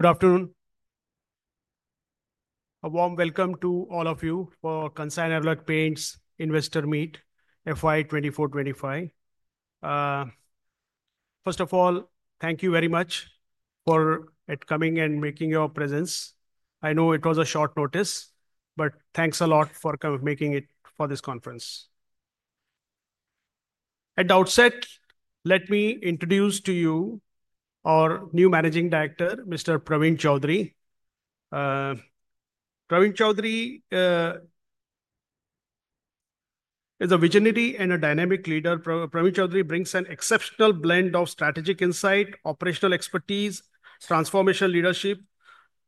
Good afternoon. A warm welcome to all of you for Kansai Nerolac Paints Investor Meet, FY 2024-2025. First of all, thank you very much for coming and making your presence. I know it was a short notice, but thanks a lot for making it for this conference. At the outset, let me introduce to you our new Managing Director, Mr. Praveen Chaudhari. Praveen Chaudhari is a visionary and a dynamic leader. Praveen Chaudhari brings an exceptional blend of strategic insight, operational expertise, and transformational leadership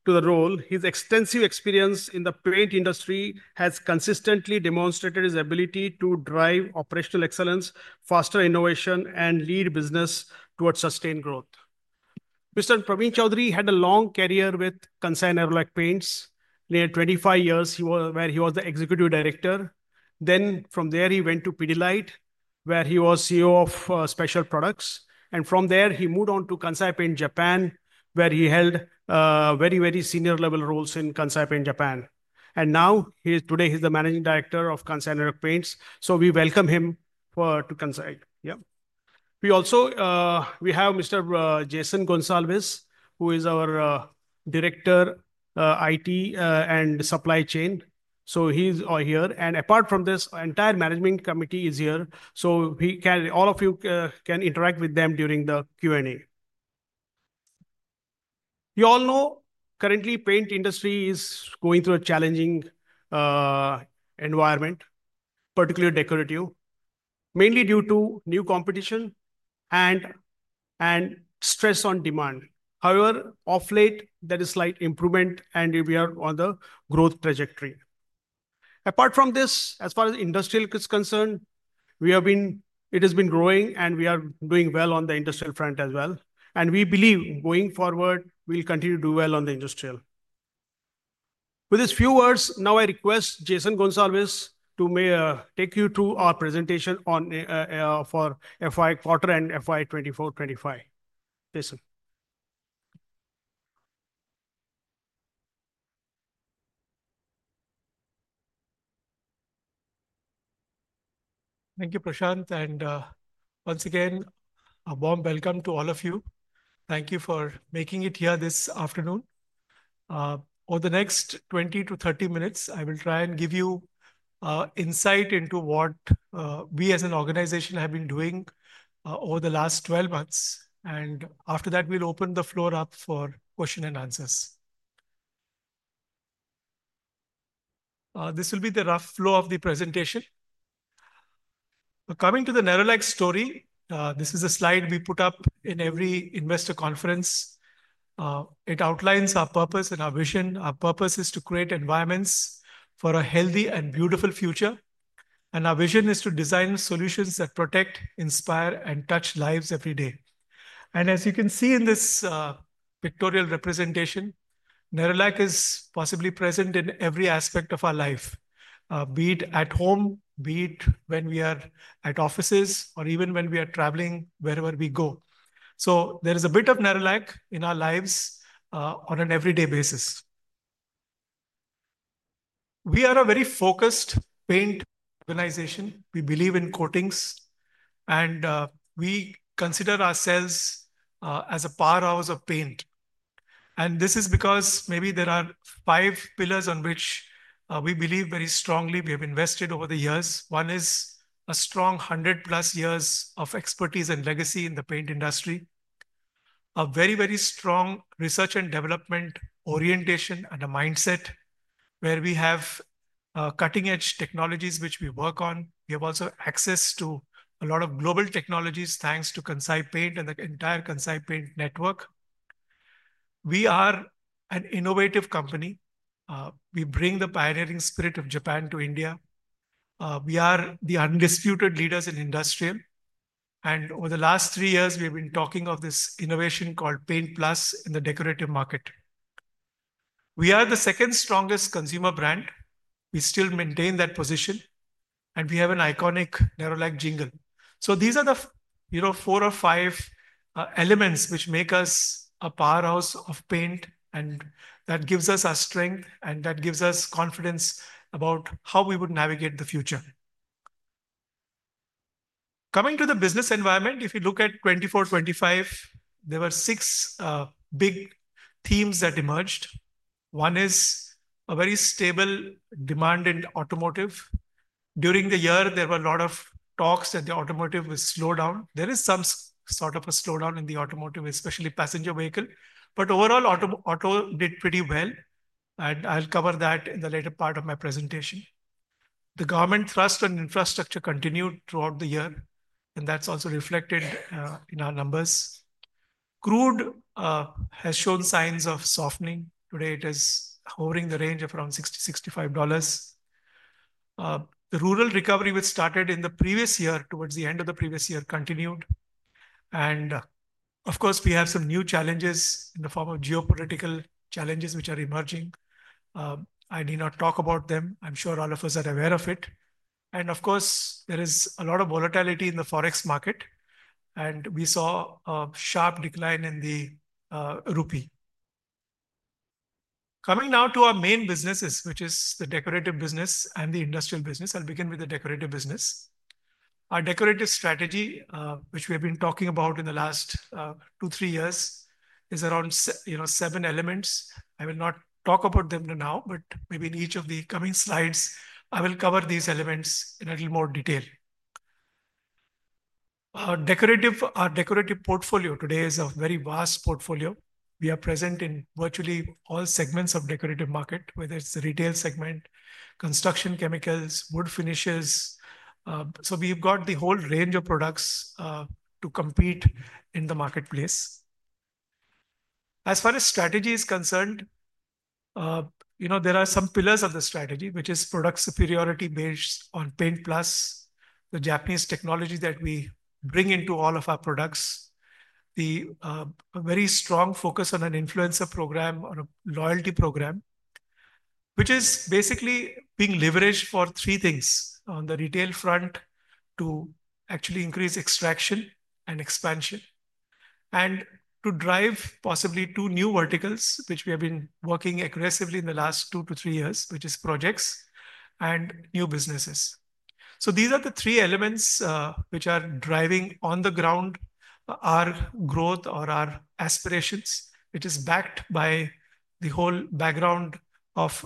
to the role. His extensive experience in the paint industry has consistently demonstrated his ability to drive operational excellence, foster innovation, and lead business towards sustained growth. Mr. Praveen Chaudhari had a long career with Kansai Nerolac Paints. Near 25 years where he was the Executive Director. Then from there, he went to Pidilite Industries, where he was CEO of Special Products. From there, he moved on to Kansai Paint Japan, where he held very, very senior-level roles in Kansai Paint Japan. Now, today, he is the Managing Director of Kansai Nerolac Paints. We welcome him to Kansai. We also have Mr. Jason Gonsalves, who is our Director of IT and Supply Chain. He is here. Apart from this, the entire Management Committee is here. All of you can interact with them during the Q&A. You all know, currently, the paint industry is going through a challenging environment, particularly decorative, mainly due to new competition and stress on demand. However, of late, there is slight improvement, and we are on the growth trajectory. Apart from this, as far as the industry is concerned, it has been growing, and we are doing well on the industrial front as well. We believe, going forward, we'll continue to do well on the industrial. With these few words, now I request Jason Gonsalves to take you through our presentation for FY quarter and FY 2024-2025. Jason. Thank you, Prashant. Once again, a warm welcome to all of you. Thank you for making it here this afternoon. Over the next 20-30 minutes, I will try and give you insight into what we, as an organization, have been doing over the last 12 months. After that, we'll open the floor up for questions and answers. This will be the rough flow of the presentation. Coming to the Nerolac story, this is a slide we put up in every investor conference. It outlines our purpose and our vision. Our purpose is to create environments for a healthy and beautiful future. Our vision is to design solutions that protect, inspire, and touch lives every day. As you can see in this pictorial representation, Nerolac is possibly present in every aspect of our life, be it at home, be it when we are at offices, or even when we are traveling wherever we go. There is a bit of Nerolac in our lives on an everyday basis. We are a very focused paint organization. We believe in coatings, and we consider ourselves as a powerhouse of paint. This is because maybe there are five pillars on which we believe very strongly we have invested over the years. One is a strong 100-plus years of expertise and legacy in the paint industry, a very, very strong research and development orientation, and a mindset where we have cutting-edge technologies which we work on. We have also access to a lot of global technologies thanks to Kansai Paint and the entire Kansai Paint network. We are an innovative company. We bring the pioneering spirit of Japan to India. We are the undisputed leaders in industrial. Over the last three years, we have been talking of this innovation called Paint Plus in the decorative market. We are the second strongest consumer brand. We still maintain that position. We have an iconic Nerolac jingle. These are the four or five elements which make us a powerhouse of paint, and that gives us our strength, and that gives us confidence about how we would navigate the future. Coming to the business environment, if you look at 2024-2025, there were six big themes that emerged. One is a very stable demand in automotive. During the year, there were a lot of talks that the automotive will slow down. There is some sort of a slowdown in the automotive, especially passenger vehicle. Overall, auto did pretty well. I'll cover that in the later part of my presentation. The government thrust on infrastructure continued throughout the year, and that's also reflected in our numbers. Crude has shown signs of softening. Today, it is hovering in the range of around $60-$65. The rural recovery, which started in the previous year towards the end of the previous year, continued. Of course, we have some new challenges in the form of geopolitical challenges which are emerging. I need not talk about them. I'm sure all of us are aware of it. There is a lot of volatility in the forex market. We saw a sharp decline in the rupee. Coming now to our main businesses, which is the decorative business and the industrial business. I'll begin with the decorative business. Our decorative strategy, which we have been talking about in the last two, three years, is around seven elements. I will not talk about them now, but maybe in each of the coming slides, I will cover these elements in a little more detail. Our decorative portfolio today is a very vast portfolio. We are present in virtually all segments of the decorative market, whether it's the retail segment, construction, chemicals, wood finishes. We have got the whole range of products to compete in the marketplace. As far as strategy is concerned, there are some pillars of the strategy, which is product superiority based on Paint Plus, the Japanese technology that we bring into all of our products, the very strong focus on an influencer program, on a loyalty program, which is basically being leveraged for three things on the retail front to actually increase extraction and expansion, and to drive possibly two new verticals, which we have been working aggressively in the last two to three years, which is projects and new businesses. These are the three elements which are driving on the ground our growth or our aspirations, which is backed by the whole background of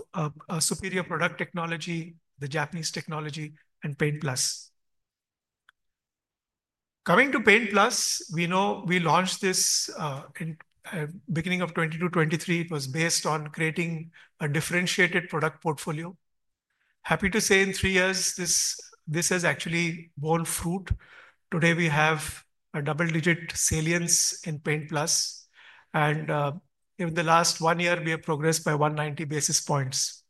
superior product technology, the Japanese technology, and Paint Plus. Coming to Paint Plus, we know we launched this in the beginning of 2022-2023. It was based on creating a differentiated product portfolio. Happy to say in three years, this has actually borne fruit. Today, we have a double-digit salience in Paint Plus. In the last one year, we have progressed by 190 basis points.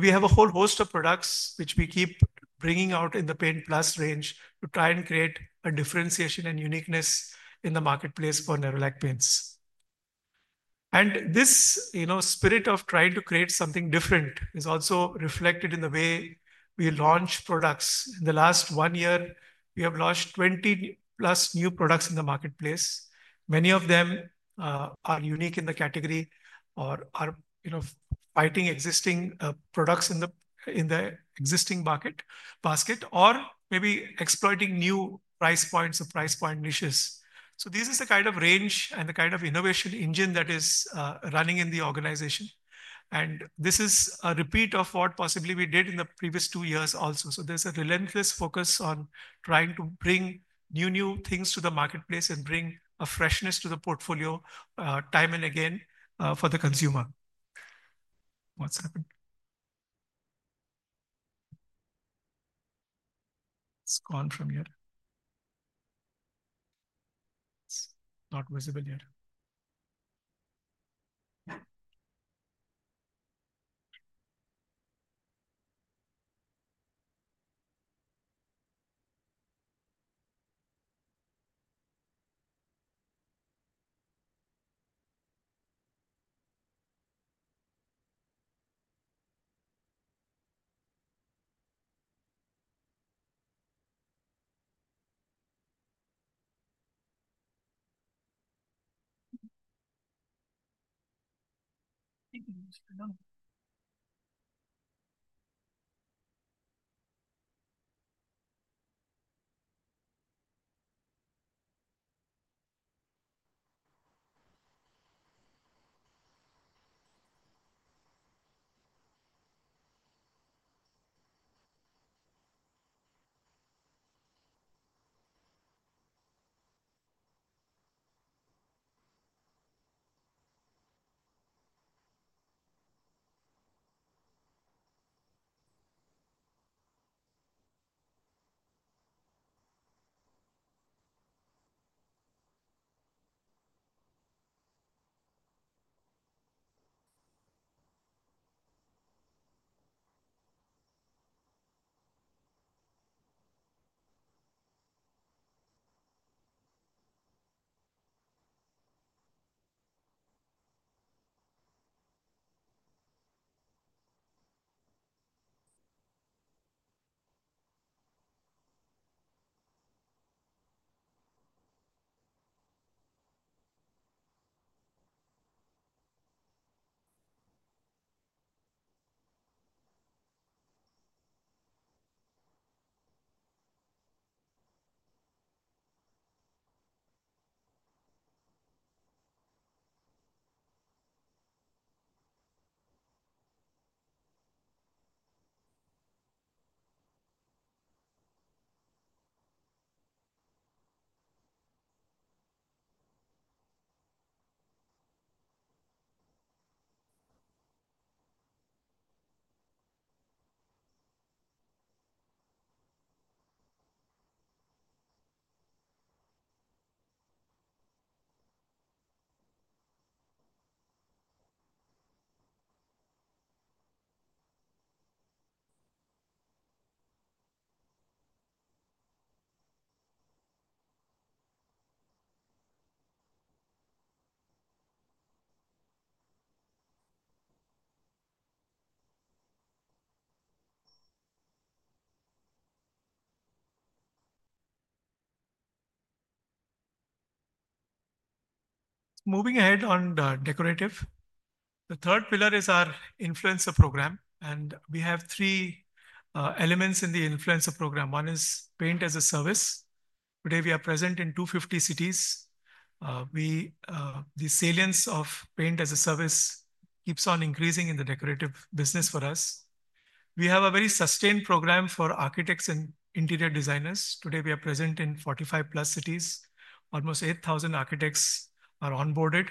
We have a whole host of products which we keep bringing out in the Paint Plus range to try and create a differentiation and uniqueness in the marketplace for Nerolac paints. This spirit of trying to create something different is also reflected in the way we launch products. In the last one year, we have launched 20-plus new products in the marketplace. Many of them are unique in the category or are fighting existing products in the existing market basket or maybe exploiting new price points or price point niches. This is the kind of range and the kind of innovation engine that is running in the organization. This is a repeat of what possibly we did in the previous two years also. There is a relentless focus on trying to bring new, new things to the marketplace and bring a freshness to the portfolio time and again for the consumer. What has happened? It has gone from here. It is not visible yet. Moving ahead on decorative, the third pillar is our influencer program. We have three elements in the influencer program. One is Paint-as-a-Service. Today, we are present in 250 cities. The salience of Paint-as-a-Service keeps on increasing in the decorative business for us. We have a very sustained program for architects and interior designers. Today, we are present in 45-plus cities. Almost 8,000 architects are onboarded.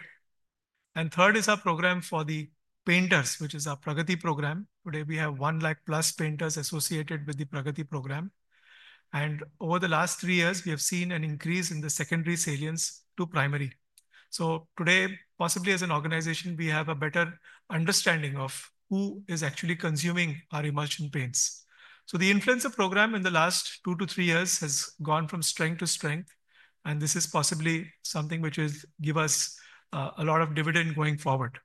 Third is our program for the painters, which is our Pragati program. Today, we have 1,000,000-plus painters associated with the Pragati program. Over the last three years, we have seen an increase in the secondary salience to primary. Today, possibly as an organization, we have a better understanding of who is actually consuming our emerging paints. The influencer program in the last two to three years has gone from strength to strength. This is possibly something which will give us a lot of dividend going forward.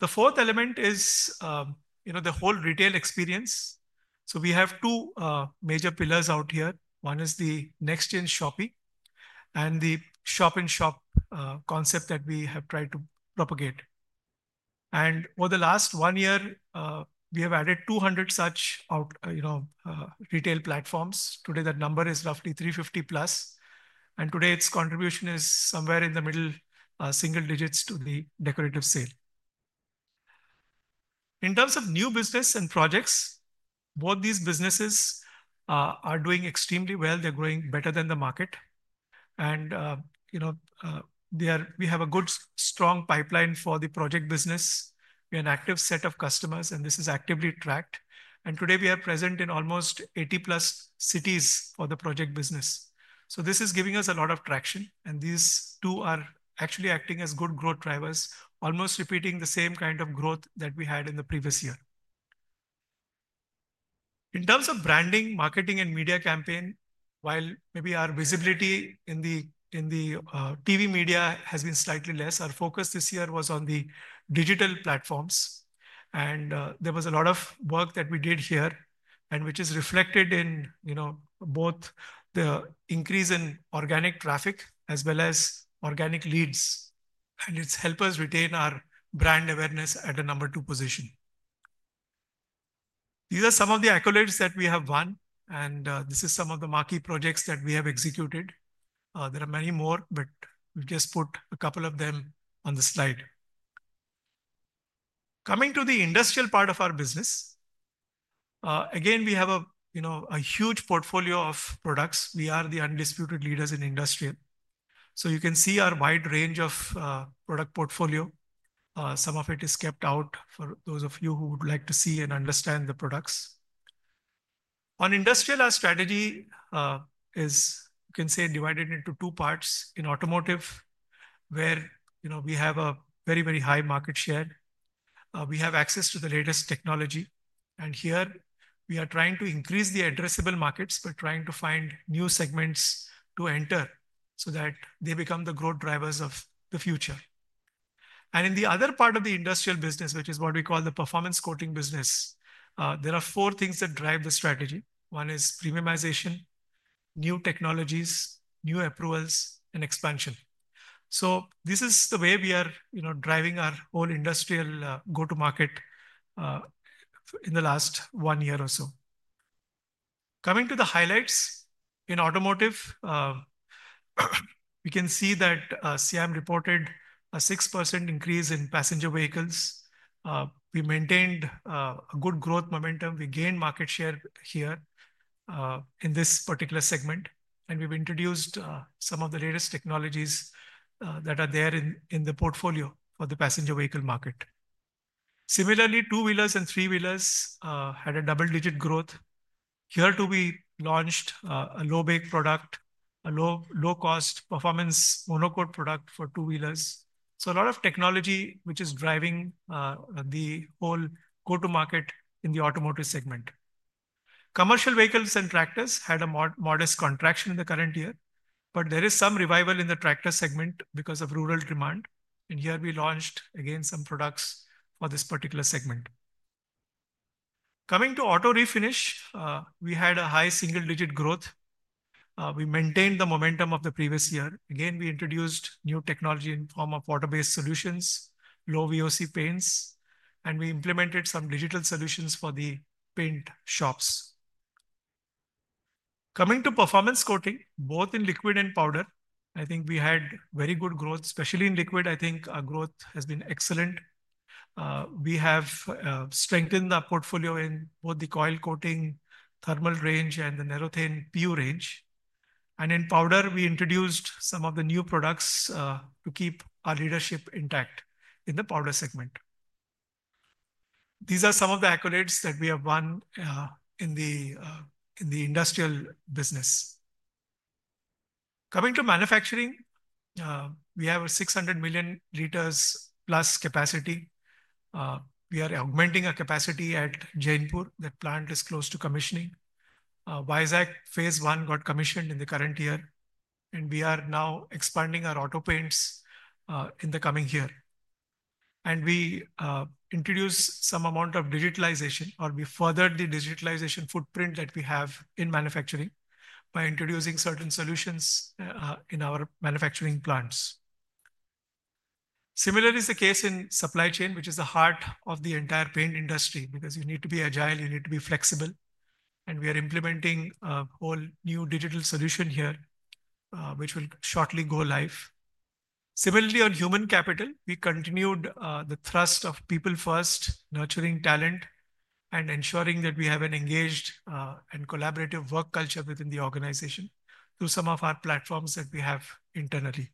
The fourth element is the whole retail experience. We have two major pillars out here. One is the next-gen shopping and the shop-in-shop concept that we have tried to propagate. Over the last one year, we have added 200 such retail platforms. Today, that number is roughly 350-plus. Today, its contribution is somewhere in the middle single digits to the decorative sale. In terms of new business and projects, both these businesses are doing extremely well. They're growing better than the market. We have a good strong pipeline for the project business. We have an active set of customers, and this is actively tracked. Today, we are present in almost 80-plus cities for the project business. This is giving us a lot of traction. These two are actually acting as good growth drivers, almost repeating the same kind of growth that we had in the previous year. In terms of branding, marketing, and media campaign, while maybe our visibility in the TV media has been slightly less, our focus this year was on the digital platforms. There was a lot of work that we did here, which is reflected in both the increase in organic traffic as well as organic leads. It's helped us retain our brand awareness at a number two position. These are some of the accolades that we have won. This is some of the marquee projects that we have executed. There are many more, but we have just put a couple of them on the slide. Coming to the industrial part of our business, again, we have a huge portfolio of products. We are the undisputed leaders in industrial. You can see our wide range of product portfolio. Some of it is kept out for those of you who would like to see and understand the products. On industrial, our strategy is, you can say, divided into two parts. In automotive, where we have a very, very high market share, we have access to the latest technology. Here, we are trying to increase the addressable markets by trying to find new segments to enter so that they become the growth drivers of the future. In the other part of the industrial business, which is what we call the performance coating business, there are four things that drive the strategy. One is premiumization, new technologies, new approvals, and expansion. This is the way we are driving our whole industrial go-to-market in the last one year or so. Coming to the highlights in automotive, we can see that SIAM reported a 6% increase in passenger vehicles. We maintained a good growth momentum. We gained market share here in this particular segment. We have introduced some of the latest technologies that are there in the portfolio for the passenger vehicle market. Similarly, two-wheelers and three-wheelers had a double-digit growth. Here too, we launched a low-bake product, a low-cost performance monocoat product for two-wheelers. A lot of technology is driving the whole go-to-market in the automotive segment. Commercial vehicles and tractors had a modest contraction in the current year. There is some revival in the tractor segment because of rural demand. Here, we launched again some products for this particular segment. Coming to auto refinish, we had a high single-digit growth. We maintained the momentum of the previous year. We introduced new technology in the form of water-based solutions, low VOC paints, and we implemented some digital solutions for the paint shops. Coming to performance coating, both in liquid and powder, I think we had very good growth, especially in liquid. I think our growth has been excellent. We have strengthened our portfolio in both the coil coating, thermal range, and the Nerothane PU range. In powder, we introduced some of the new products to keep our leadership intact in the powder segment. These are some of the accolades that we have won in the industrial business. Coming to manufacturing, we have a 600 million liters-plus capacity. We are augmenting our capacity at Kanpur. That plant is close to commissioning. Vizag phase 1 got commissioned in the current year. We are now expanding our auto paints in the coming year. We introduced some amount of digitalization, or we furthered the digitalization footprint that we have in manufacturing by introducing certain solutions in our manufacturing plants. Similarly, it is the case in supply chain, which is the heart of the entire paint industry because you need to be agile, you need to be flexible. We are implementing a whole new digital solution here, which will shortly go live. Similarly, on human capital, we continued the thrust of people-first, nurturing talent, and ensuring that we have an engaged and collaborative work culture within the organization through some of our platforms that we have internally.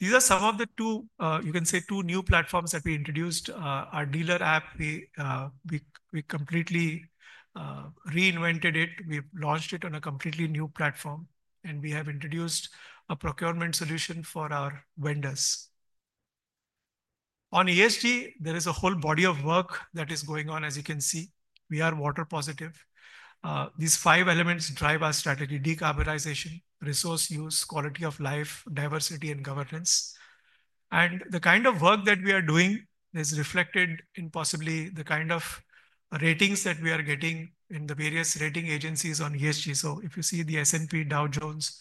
These are some of the two, you can say, two new platforms that we introduced. Our dealer app, we completely reinvented it. We launched it on a completely new platform. We have introduced a procurement solution for our vendors. On ESG, there is a whole body of work that is going on, as you can see. We are water positive. These five elements drive our strategy: decarbonization, resource use, quality of life, diversity, and governance. The kind of work that we are doing is reflected in possibly the kind of ratings that we are getting in the various rating agencies on ESG. If you see the S&P Dow Jones,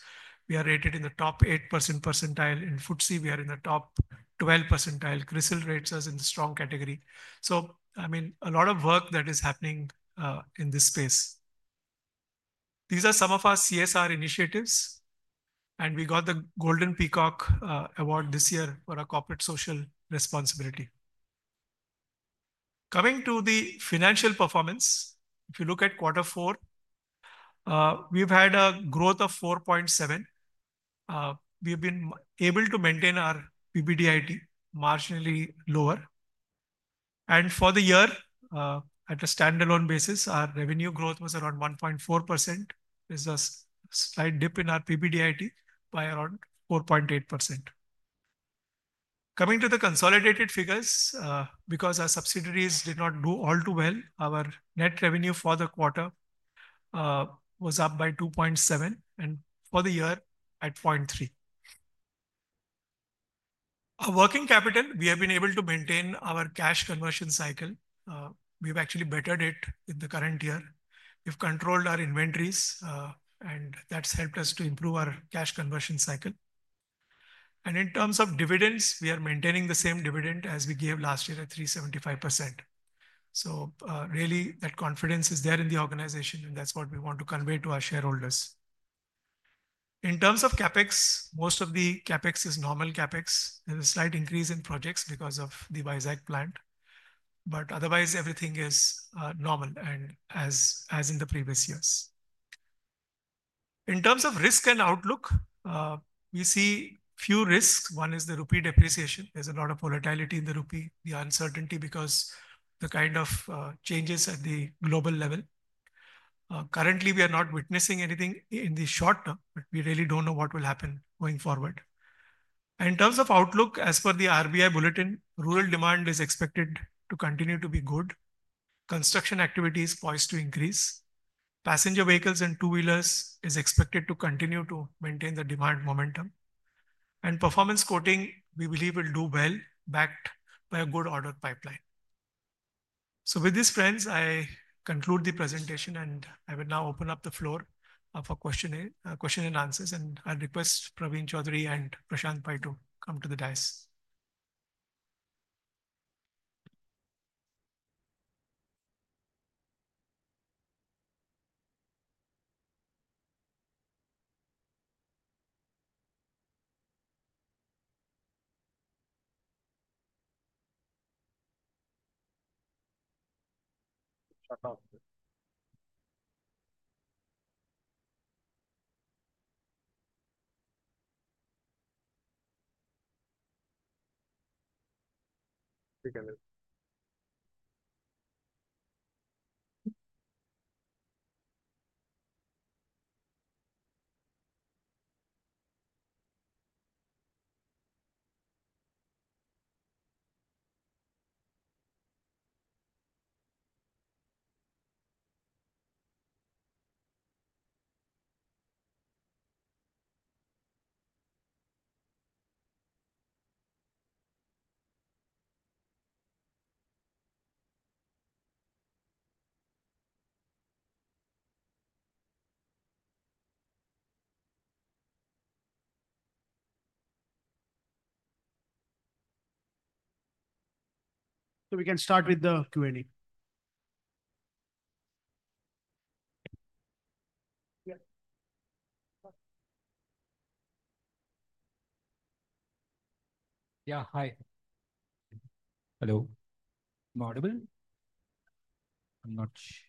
we are rated in the top 8% percentile. In FTSE, we are in the top 12% percentile. CRISIL rates us in the strong category. I mean, a lot of work that is happening in this space. These are some of our CSR initiatives. We got the Golden Peacock Award this year for our corporate social responsibility. Coming to the financial performance, if you look at Quarter 4, we've had a growth of 4.7%. We have been able to maintain our PBDIT marginally lower. For the year, at a standalone basis, our revenue growth was around 1.4%. There's a slight dip in our PBDIT by around 4.8%. Coming to the consolidated figures, because our subsidiaries did not do all too well, our net revenue for the quarter was up by 2.7%, and for the year, at 0.3%. Our working capital, we have been able to maintain our cash conversion cycle. We've actually bettered it in the current year. We've controlled our inventories, and that's helped us to improve our cash conversion cycle. In terms of dividends, we are maintaining the same dividend as we gave last year at INR 375%. Really, that confidence is there in the organization, and that's what we want to convey to our shareholders. In terms of CapEx, most of the CapEx is normal CapEx. There's a slight increase in projects because of the Vizag plant. Otherwise, everything is normal and as in the previous years. In terms of risk and outlook, we see few risks. One is the Rupee depreciation. There's a lot of volatility in the Rupee. The uncertainty because of the kind of changes at the global level. Currently, we are not witnessing anything in the short term, but we really don't know what will happen going forward. In terms of outlook, as per the RBI bulletin, rural demand is expected to continue to be good. Construction activity is poised to increase. Passenger vehicles and two-wheelers are expected to continue to maintain the demand momentum. Performance coating, we believe, will do well backed by a good order pipeline. With this, friends, I conclude the presentation, and I will now open up the floor for questions and answers. I will request Praveen Chaudhari and Prashant Pai to come to the dais. We can start with the Q&A. Yeah. Hi. Hello. Audible? I'm not sure.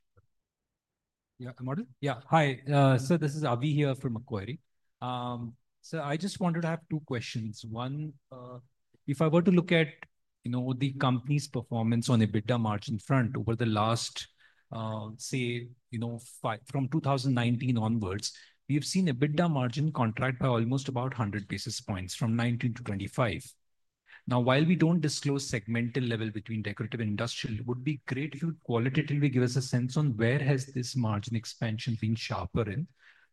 Yeah, I'm audible? Yeah. Hi. This is Avi here from Acquiree. I just wanted to have two questions. One, if I were to look at the company's performance on EBITDA margin front over the last, say, from 2019 onwards, we have seen EBITDA margin contract by almost about 100 basis points from 2019 to 2025. Now, while we do not disclose segmental level between decorative and industrial, it would be great if you would qualitatively give us a sense on where has this margin expansion been sharper in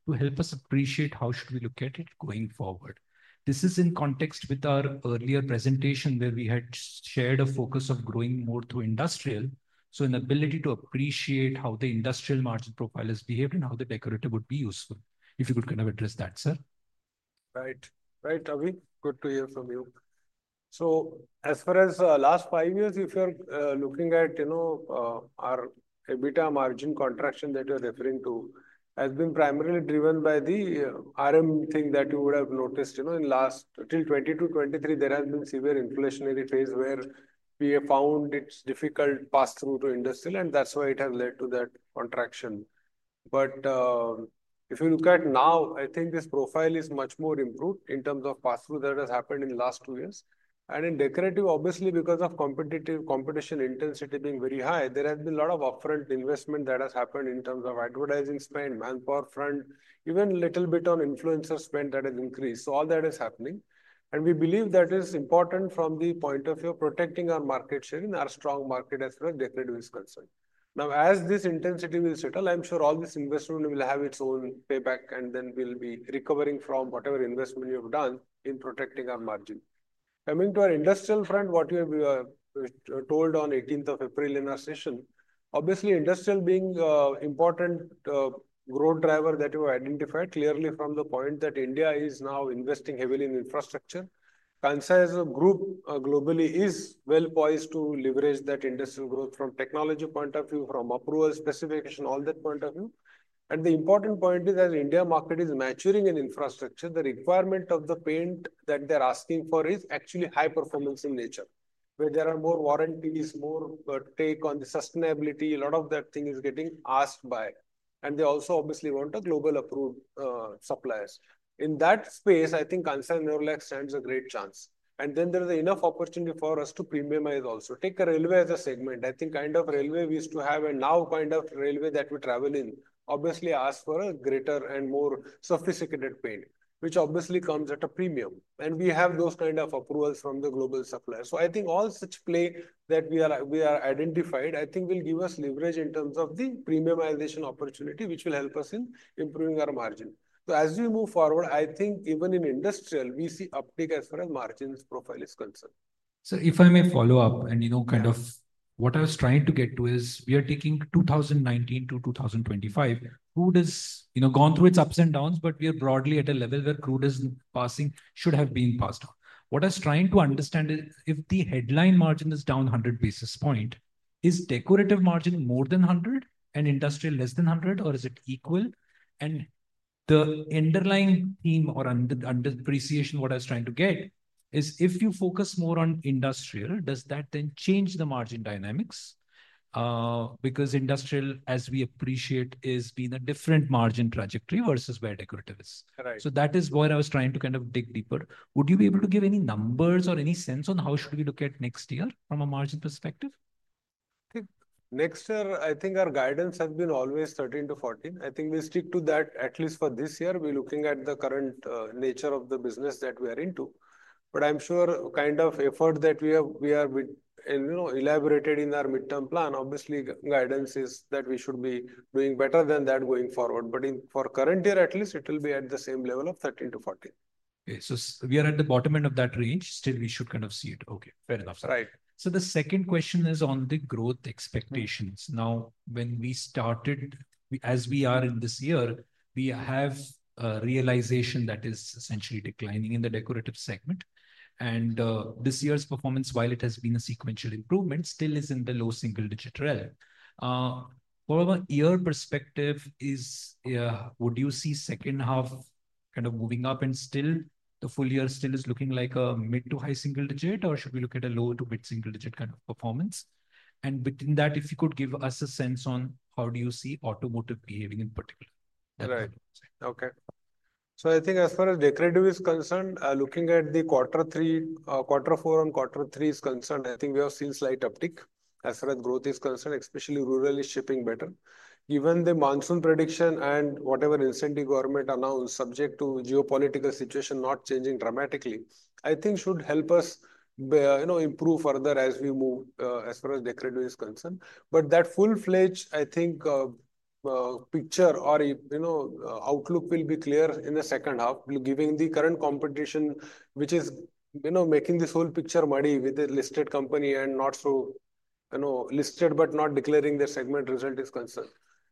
to help us appreciate how should we look at it going forward. This is in context with our earlier presentation where we had shared a focus of growing more through industrial. So an ability to appreciate how the industrial margin profile has behaved and how the decorative would be useful. If you could kind of address that, sir. Right. Right, Avi. Good to hear from you. As far as the last five years, if you're looking at our EBITDA margin contraction that you're referring to, it has been primarily driven by the RM thing that you would have noticed. In the last till 2022-2023, there has been a severe inflationary phase where we have found it's difficult pass-through to industrial. That is why it has led to that contraction. If you look at now, I think this profile is much more improved in terms of pass-through that has happened in the last two years. In decorative, obviously, because of competition intensity being very high, there has been a lot of upfront investment that has happened in terms of advertising spend, manpower front, even a little bit on influencer spend that has increased. All that is happening. We believe that is important from the point of view of protecting our market share in our strong market as far as decorative is concerned. Now, as this intensity will settle, I'm sure all this investment will have its own payback, and then we'll be recovering from whatever investment you have done in protecting our margin. Coming to our industrial front, what you have told on 18th of April in our session, obviously, industrial being an important growth driver that you have identified clearly from the point that India is now investing heavily in infrastructure. Kansai as a group globally is well poised to leverage that industrial growth from a technology point of view, from approval specification, all that point of view. The important point is, as the India market is maturing in infrastructure, the requirement of the paint that they're asking for is actually high performance in nature, where there are more warranties, more take on the sustainability. A lot of that thing is getting asked by. They also obviously want global approved suppliers. In that space, I think Kansai Nerolac stands a great chance. There is enough opportunity for us to premiumize also. Take a railway as a segment. I think kind of railway we used to have and now kind of railway that we travel in obviously asks for a greater and more sophisticated paint, which obviously comes at a premium. We have those kind of approvals from the global suppliers. I think all such play that we are identified, I think will give us leverage in terms of the premiumization opportunity, which will help us in improving our margin. As we move forward, I think even in industrial, we see uptake as far as margins profile is concerned. If I may follow up and kind of what I was trying to get to is we are taking 2019 to 2025. Crude has gone through its ups and downs, but we are broadly at a level where crude is passing, should have been passed on. What I was trying to understand is if the headline margin is down 100 basis points, is decorative margin more than 100 and industrial less than 100, or is it equal? The underlying theme or underappreciation, what I was trying to get is if you focus more on industrial, does that then change the margin dynamics? Because industrial, as we appreciate, has been a different margin trajectory versus where decorative is. That is what I was trying to kind of dig deeper. Would you be able to give any numbers or any sense on how should we look at next year from a margin perspective? I think next year, I think our guidance has been always 13-14%. I think we stick to that at least for this year. We are looking at the current nature of the business that we are into. I am sure the kind of effort that we have elaborated in our midterm plan, obviously, guidance is that we should be doing better than that going forward. For current year, at least, it will be at the same level of 13%-14%. Okay. We are at the bottom end of that range. Still, we should kind of see it. Okay. Fair enough. Right. The second question is on the growth expectations. Now, when we started, as we are in this year, we have a realization that is essentially declining in the decorative segment. This year's performance, while it has been a sequential improvement, still is in the low single-digit realm. From a year perspective, would you see second half kind of moving up and still the full year still is looking like a mid to high single digit, or should we look at a low to mid single digit kind of performance? Within that, if you could give us a sense on how do you see automotive behaving in particular. Right. Okay. I think as far as decorative is concerned, looking at the Quarter 3, Quarter 4, and Quarter 3 is concerned, I think we have seen slight uptick as far as growth is concerned, especially rurally shipping better. Even the monsoon prediction and whatever instantly government announced, subject to geopolitical situation not changing dramatically, I think should help us improve further as we move as far as decorative is concerned. That full-fledged, I think, picture or outlook will be clear in the second half, giving the current competition, which is making this whole picture muddy with the listed company and not so listed, but not declaring their segment result is concerned.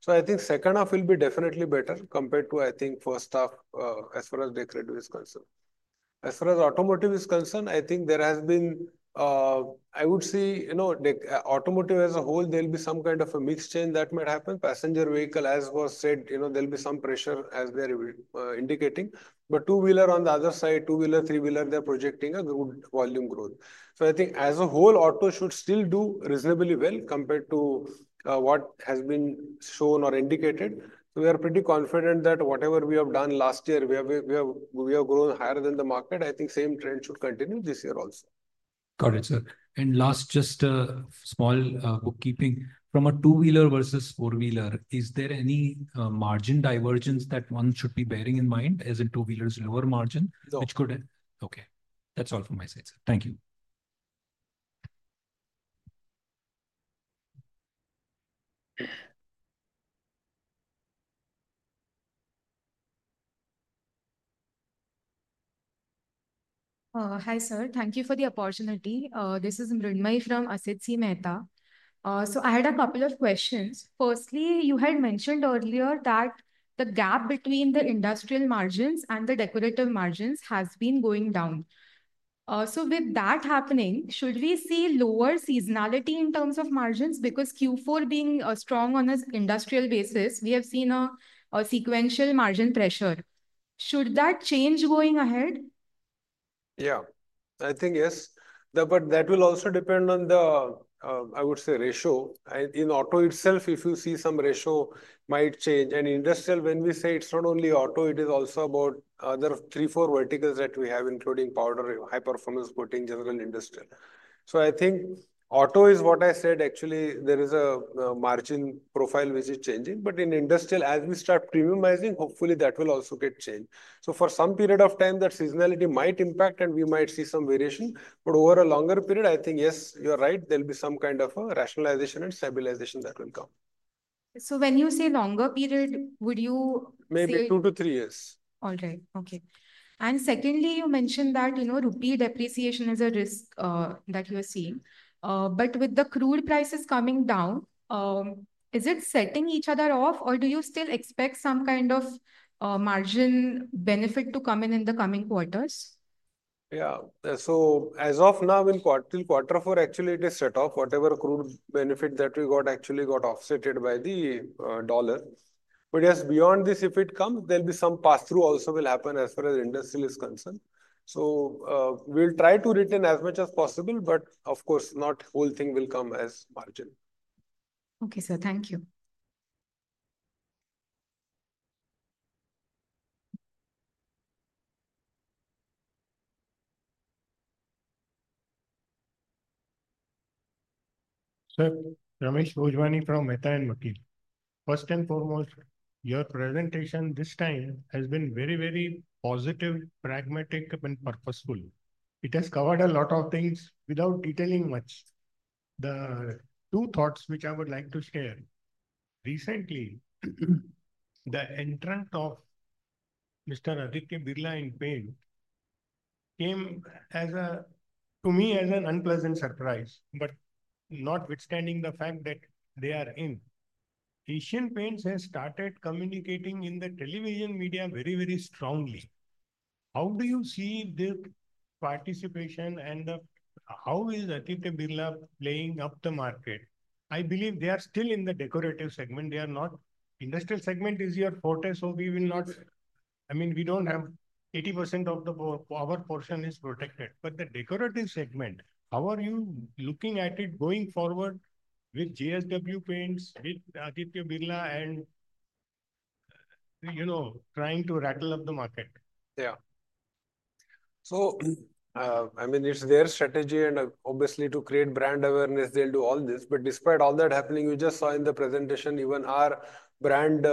I think second half will be definitely better compared to, I think, first half as far as decorative is concerned. As far as automotive is concerned, I think there has been, I would say, automotive as a whole, there will be some kind of a mix change that might happen. Passenger vehicle, as was said, there will be some pressure as they're indicating. Two-wheeler, on the other side, two-wheeler, three-wheeler, they're projecting a good volume growth. I think as a whole, auto should still do reasonably well compared to what has been shown or indicated. We are pretty confident that whatever we have done last year, we have grown higher than the market. I think same trend should continue this year also. Got it, sir. Last, just a small bookkeeping. From a two-wheeler versus four-wheeler, is there any margin divergence that one should be bearing in mind as in two-wheelers lower margin, which could? Okay. That's all from my side. Thank you. Hi, sir. Thank you for the opportunity. This is Mridmai from Mehta & Co. So I had a couple of questions. Firstly, you had mentioned earlier that the gap between the industrial margins and the decorative margins has been going down. With that happening, should we see lower seasonality in terms of margins? Because Q4 being strong on an industrial basis, we have seen a sequential margin pressure. Should that change going ahead? Yeah, I think yes. That will also depend on the, I would say, ratio. In auto itself, if you see, some ratio might change. Industrial, when we say, it is not only auto, it is also about other three-four verticals that we have, including powder, high performance coating, general industrial. I think auto is what I said, actually, there is a margin profile which is changing. In industrial, as we start premiumizing, hopefully that will also get changed. For some period of time, that seasonality might impact and we might see some variation. Over a longer period, I think yes, you're right, there will be some kind of rationalization and stabilization that will come. When you say longer period, would you? Maybe two to three years. All right. Okay. Secondly, you mentioned that Rupee depreciation is a risk that you are seeing. With the crude prices coming down, is it setting each other off, or do you still expect some kind of margin benefit to come in in the coming quarters? Yeah. As of now, till Quarter 4, actually, it is set off. Whatever crude benefit that we got actually got offset by the dollar. Yes, beyond this, if it comes, there will be some pass-through also will happen as far as industrial is concerned. We will try to retain as much as possible, but of course, not the whole thing will come as margin. Okay, sir. Thank you. Sir, Ramesh Bhojwani from Mehta & Co. First and foremost, your presentation this time has been very, very positive, pragmatic, and purposeful. It has covered a lot of things without detailing much. The two thoughts which I would like to share. Recently, the entrant of Aditya Birla in paint came to me as an unpleasant surprise, but notwithstanding the fact that they are in. Asian Paints have started communicating in the television media very, very strongly. How do you see their participation and how is Aditya Birla playing up the market? I believe they are still in the decorative segment. They are not industrial segment is your forte, so we will not, I mean, we don't have 80% of the power portion is protected. But the decorative segment, how are you looking at it going forward with GSW Paints, with Aditya Birla and trying to rattle up the market? Yeah. So I mean, it's their strategy and obviously to create brand awareness, they'll do all this. Despite all that happening, you just saw in the presentation, even our brand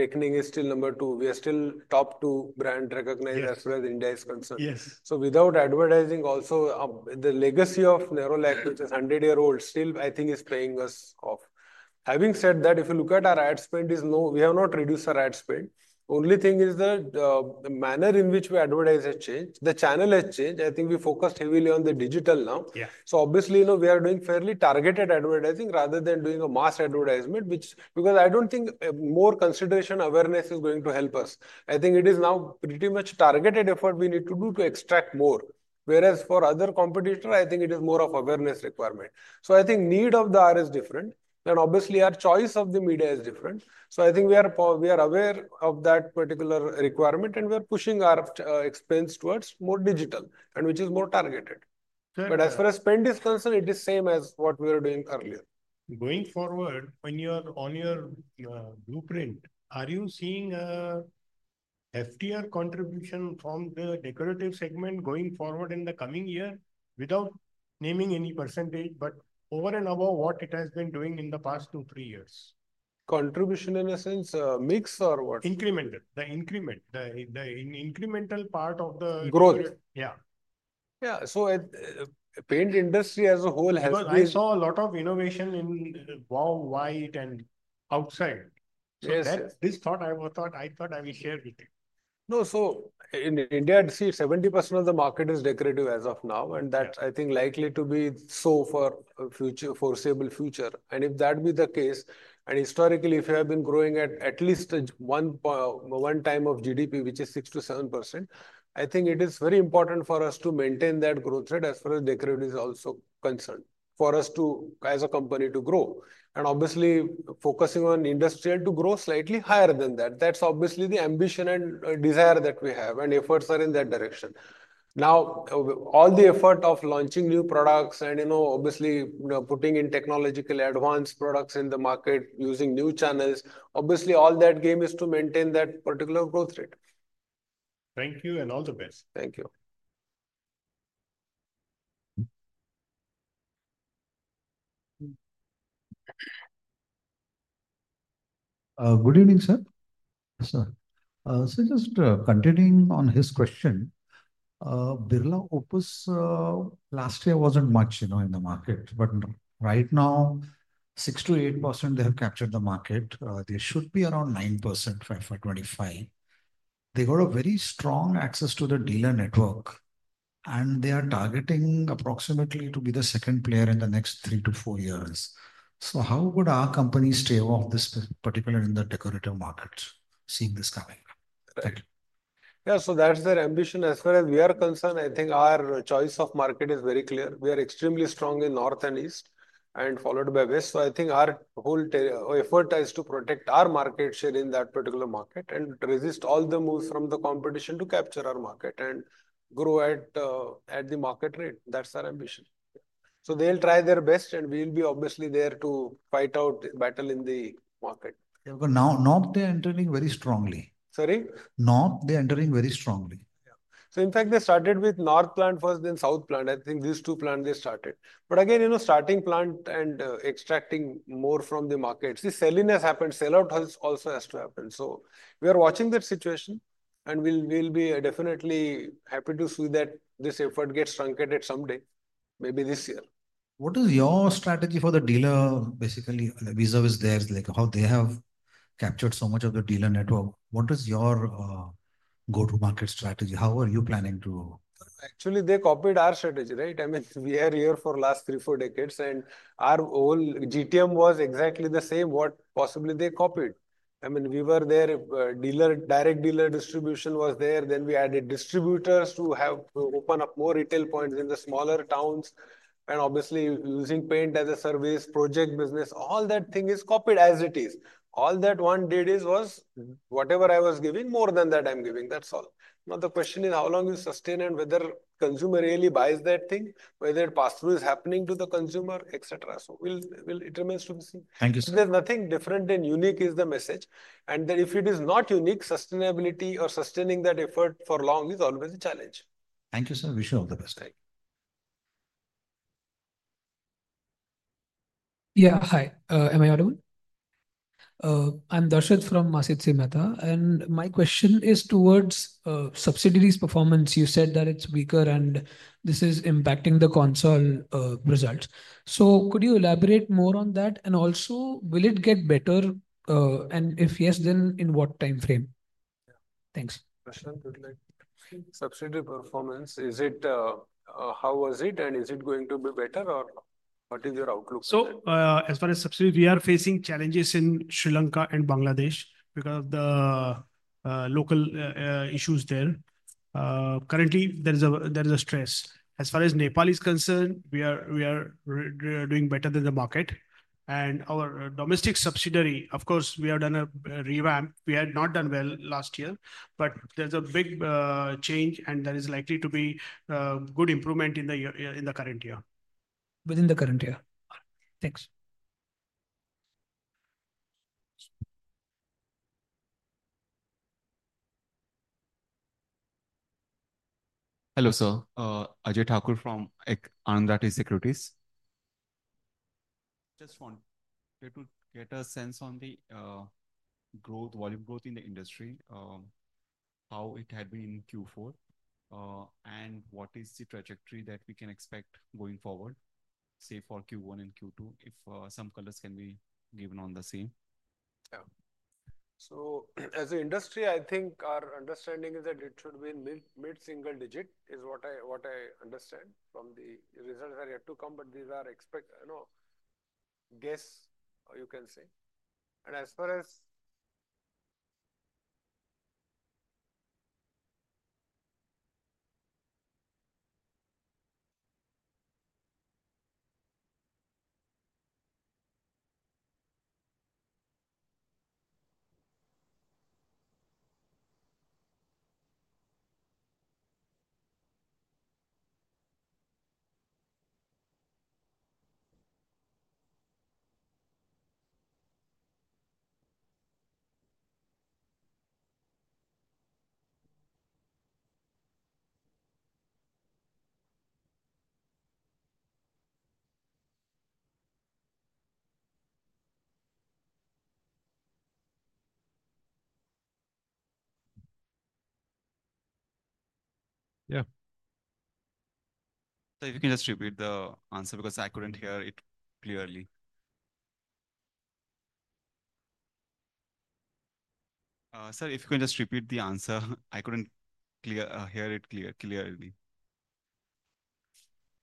reckoning is still number two. We are still top two brand recognized as far as India is concerned. Without advertising, also the legacy of Nerolac, which is 100 years old, still I think is playing us off. Having said that, if you look at our ad spend, we have not reduced our ad spend. Only thing is the manner in which we advertise has changed. The channel has changed. I think we focused heavily on the digital now. Obviously, we are doing fairly targeted advertising rather than doing a mass advertisement, which, because I do not think more consideration awareness is going to help us. I think it is now pretty much targeted effort we need to do to extract more. Whereas for other competitors, I think it is more of awareness requirement. I think need of the hour is different. Obviously, our choice of the media is different. I think we are aware of that particular requirement and we are pushing our expense towards more digital, which is more targeted. As far as spend is concerned, it is same as what we were doing earlier. Going forward, when you are on your blueprint, are you seeing a FTR contribution from the decorative segment going forward in the coming year without naming any percentage, but over and above what it has been doing in the past two, three years? Contribution in a sense, mix or what? Incremental. The increment. The incremental part of the growth. Yeah. Yeah. Paint industry as a whole has been. I saw a lot of innovation in warm white and outside. This thought I thought I will share with you. No, in India, I see 70% of the market is decorative as of now, and that's I think likely to be so for a foreseeable future. If that be the case, and historically, if you have been growing at at least one time of GDP, which is 6%-7%, I think it is very important for us to maintain that growth rate as far as decorative is also concerned for us to as a company to grow. Obviously, focusing on industrial to grow slightly higher than that. That is obviously the ambition and desire that we have, and efforts are in that direction. Now, all the effort of launching new products and obviously putting in technological advanced products in the market, using new channels, obviously all that game is to maintain that particular growth rate. Thank you and all the best. Thank you. Good evening, sir. Just continuing on his question, Birla Opus last year was not much in the market, but right now, 6%-8% they have captured the market. They should be around 9% by 2025. They got a very strong access to the dealer network, and they are targeting approximately to be the second player in the next three to four years. How could our company stay off this particular in the decorative markets? Seeing this coming. Thank you. Yeah, so that's their ambition. As far as we are concerned, I think our choice of market is very clear. We are extremely strong in north and east and followed by west. I think our whole effort is to protect our market share in that particular market and resist all the moves from the competition to capture our market and grow at the market rate. That's our ambition. They'll try their best, and we'll be obviously there to fight out the battle in the market. Now, north, they are entering very strongly. Sorry? North, they are entering very strongly. In fact, they started with North plant first, then South plant. I think these two plants they started. Again, starting plant and extracting more from the market. See, selling has happened. Sellout also has to happen. We are watching that situation, and we'll be definitely happy to see that this effort gets truncated someday, maybe this year. What is your strategy for the dealer? Basically, Vizag is there. How they have captured so much of the dealer network. What is your go-to-market strategy? How are you planning to? Actually, they copied our strategy, right? I mean, we are here for the last three, four decades, and our whole GTM was exactly the same what possibly they copied. I mean, we were there. Direct dealer distribution was there. We added distributors to have to open up more retail points in the smaller towns. Obviously, using Paint-as-a-Service project business, all that thing is copied as it is. All that one did is was whatever I was giving, more than that I'm giving. That's all. The question is how long you sustain and whether consumer really buys that thing, whether pass-through is happening to the consumer, etc. It remains to be seen. Thank you, sir. There's nothing different and unique is the message. If it is not unique, sustainability or sustaining that effort for long is always a challenge. Thank you, sir. Wish you all the best. Yeah, hi. Am I audible? I'm Darshad trfrom Mehta & Co., and my question is towards subsidiaries' performance. You said that it's weaker and this is impacting the console results. Could you elaborate more on that? Also, will it get better? If yes, then in what time frame? Thanks. Subsidiary performance, how was it, and is it going to be better or what is your outlook? As far as subsidiaries, we are facing challenges in Sri Lanka and Bangladesh because of the local issues there. Currently, there is a stress. As far as Nepal is concerned, we are doing better than the market. Our domestic subsidiary, of course, we have done a revamp. We had not done well last year, but there is a big change, and there is likely to be good improvement in the current year. Within the current year. Thanks. Hello, sir. Ajay Thakur from Anand Rathi Securities. Just wanted to get a sense on the growth, volume growth in the industry, how it had been in Q4, and what is the trajectory that we can expect going forward, say, for Q1 and Q2, if some colors can be given on the same. Yeah. As an industry, I think our understanding is that it should be mid-single digit is what I understand from the results that are yet to come, but these are expected, you know, guess, you can say. As far as, yeah. If you can just repeat the answer because I could not hear it clearly. Sir, if you can just repeat the answer, I could not hear it clearly.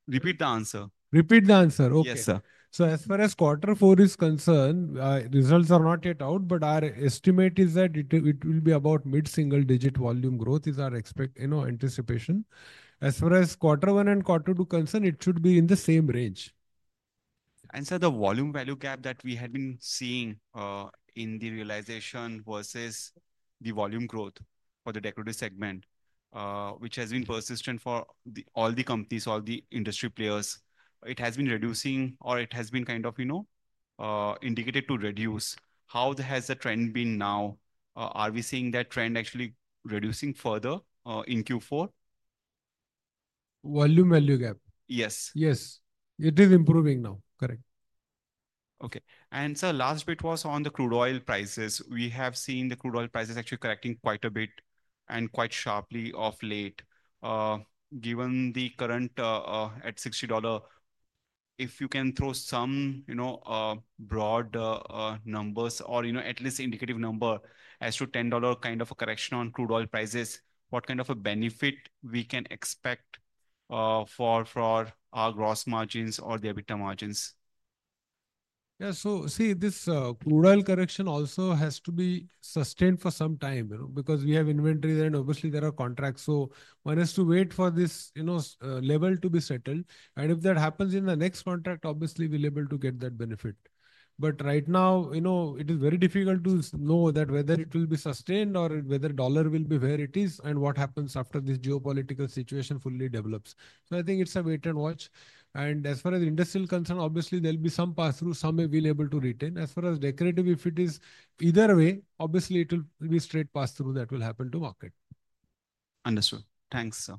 Repeat the answer. Okay. Yes, sir. As far as Quarter 4 is concerned, results are not yet out, but our estimate is that it will be about mid-single digit volume growth is our anticipation. As far as Quarter 1 and Quarter 2 are concerned, it should be in the same range. Sir, the volume value gap that we had been seeing in the realization versus the volume growth for the decorative segment, which has been persistent for all the companies, all the industry players, it has been reducing or it has been kind of indicated to reduce. How has the trend been now? Are we seeing that trend actually reducing further in Q4? Volume value gap? Yes. Yes. It is improving now. Correct. Okay. Sir, last bit was on the crude oil prices. We have seen the crude oil prices actually correcting quite a bit and quite sharply of late. Given the current at $60, if you can throw some broad numbers or at least indicative number as to $10 kind of a correction on crude oil prices, what kind of a benefit we can expect for our gross margins or the EBITDA margins? Yeah, see, this crude oil correction also has to be sustained for some time because we have inventories and obviously there are contracts. One has to wait for this level to be settled. If that happens in the next contract, obviously we will be able to get that benefit. Right now, it is very difficult to know whether it will be sustained or whether dollar will be where it is and what happens after this geopolitical situation fully develops. I think it is a wait and watch. As far as the industrial concern, obviously there'll be some pass-through, some we'll be able to retain. As far as decorative, if it is either way, obviously it will be straight pass-through that will happen to market. Understood. Thanks, sir.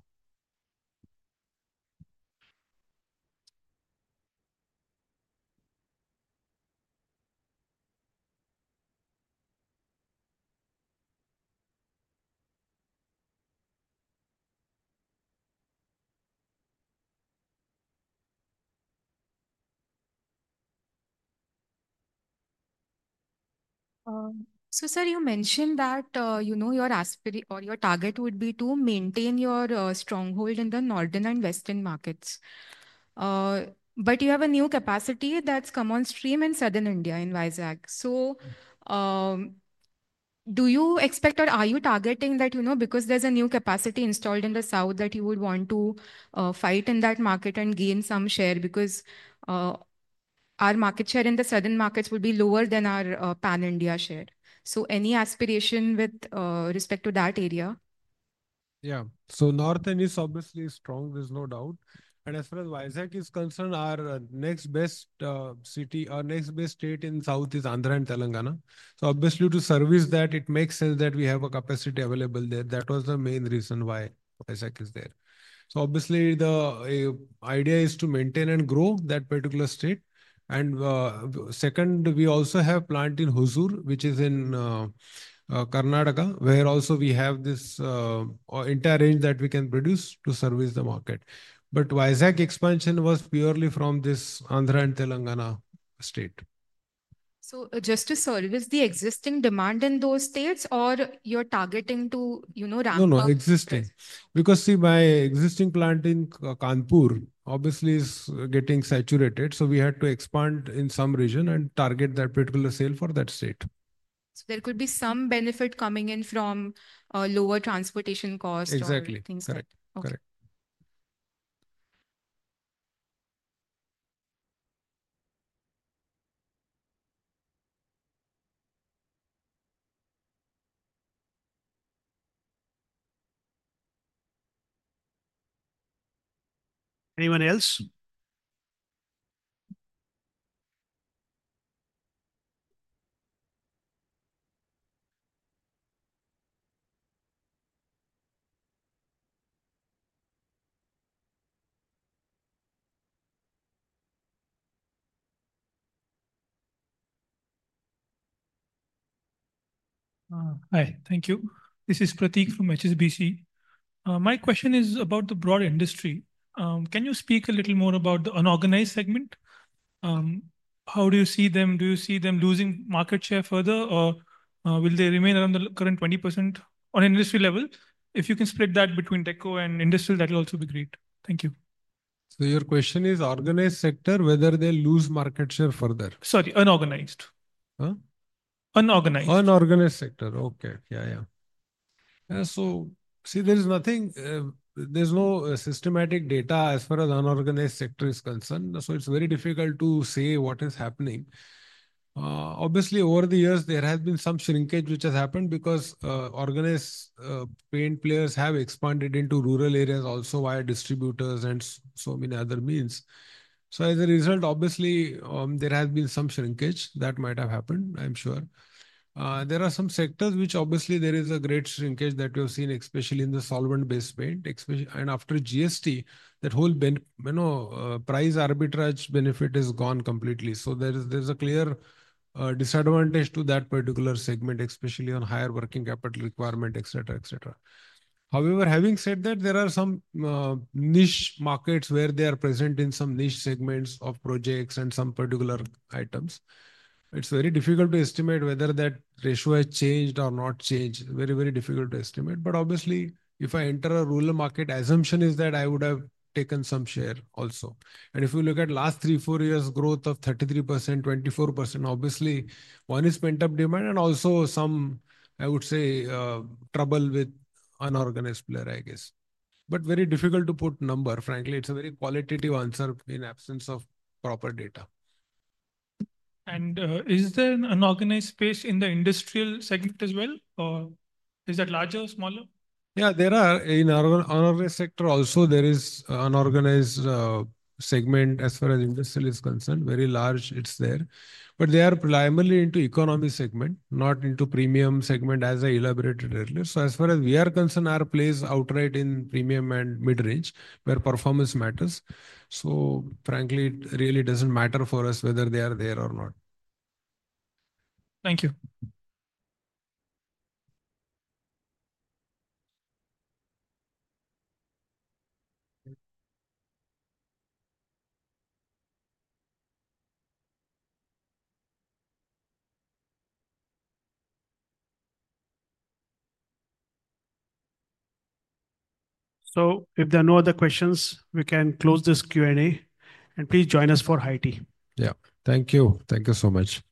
Sir, you mentioned that your target would be to maintain your stronghold in the northern and western markets. You have a new capacity that's come on stream in southern India in Vizag. Do you expect or are you targeting that because there's a new capacity installed in the south that you would want to fight in that market and gain some share because our market share in the southern markets would be lower than our pan-India share? Any aspiration with respect to that area? Yeah. North and east obviously is strong, there's no doubt. As far as Vizag is concerned, our next best city or next best state in south is Andhra and Telangana. Obviously, to service that, it makes sense that we have a capacity available there. That was the main reason why Vizag is there. The idea is to maintain and grow that particular state. Second, we also have a plant in Huzur, which is in Karnataka, where also we have this entire range that we can produce to service the market. Vizag expansion was purely from this Andhra and Telangana state. Just to service the existing demand in those states or you are targeting to ramp up? No, no, existing. Because my existing plant in Kanpur obviously is getting saturated. We had to expand in some region and target that particular sale for that state. There could be some benefit coming in from lower transportation costs and things like that. Exactly. Correct. Correct. Anyone else? Hi. Thank you. This is Pratik from HSBC. My question is about the broader industry. Can you speak a little more about the unorganized segment? How do you see them? Do you see them losing market share further, or will they remain around the current 20% on an industry level? If you can split that between techco and industrial, that will also be great. Thank you. Your question is organized sector, whether they lose market share further? Sorry, unorganized. Unorganized. Unorganized sector. Okay. Yeah, yeah. There is nothing. There is no systematic data as far as unorganized sector is concerned. It is very difficult to say what is happening. Obviously, over the years, there has been some shrinkage, which has happened because organized paint players have expanded into rural areas also via distributors and so many other means. As a result, obviously, there has been some shrinkage that might have happened, I'm sure. There are some sectors which obviously there is a great shrinkage that we have seen, especially in the solvent-based paint. After GST, that whole price arbitrage benefit has gone completely. There is a clear disadvantage to that particular segment, especially on higher working capital requirement, etc., etc. However, having said that, there are some niche markets where they are present in some niche segments of projects and some particular items. It's very difficult to estimate whether that ratio has changed or not changed. Very, very difficult to estimate. Obviously, if I enter a rural market, the assumption is that I would have taken some share also. If you look at the last three, four years' growth of 33%, 24%, obviously, one is pent-up demand and also some, I would say, trouble with unorganized player, I guess. Very difficult to put a number. Frankly, it's a very qualitative answer in absence of proper data. Is there an unorganized space in the industrial segment as well? Is that larger or smaller? Yeah, there are. In our sector also, there is an unorganized segment as far as industrial is concerned. Very large, it's there. They are primarily into the economy segment, not into the premium segment as I elaborated earlier. As far as we are concerned, our place is outright in premium and mid-range where performance matters. Frankly, it really doesn't matter for us whether they are there or not. Thank you. If there are no other questions, we can close this Q&A. Please join us for high tea. Yeah. Thank you. Thank you so much.